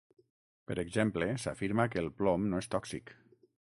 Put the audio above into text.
Per exemple, s'afirma que el plom no és tòxic.